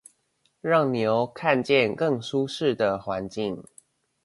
讓牛看見更舒適的環境